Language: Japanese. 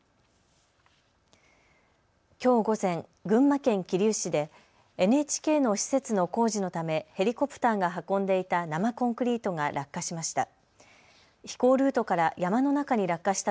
きょう午前、群馬県桐生市でＮＨＫの施設の工事のためヘリコプターが運んでいた生コンクリートが落下しました。